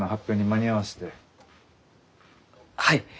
はい。